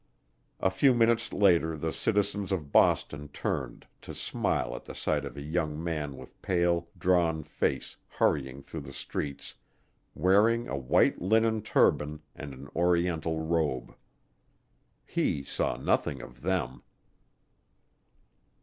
A few minutes later the citizens of Boston turned to smile at the sight of a young man with pale, drawn face hurrying through the streets wearing a white linen turban and an oriental robe. He saw nothing of them.